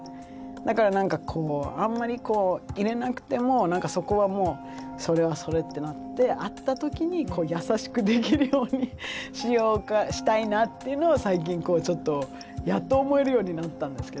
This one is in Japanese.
だから何かこうあんまりいれなくてもそこは「それはそれ」ってなって会った時に優しくできるようにしたいなっていうのを最近ちょっとやっと思えるようになったんですけど。